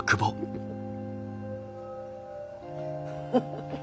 フフフ。